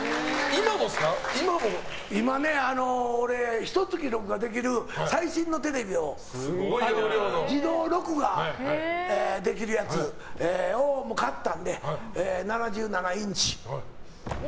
俺、ひと月に録画できる最新のテレビ自動録画できるやつを買ったので、７７インチ。